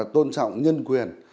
tôn trọng nhân quyền